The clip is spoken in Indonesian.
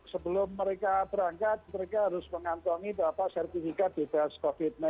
sebelum mereka berangkat mereka harus mengantongi sertifikat bebas covid sembilan belas